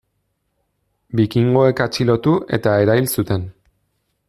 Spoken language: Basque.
Bikingoek atxilotu eta erail zuten.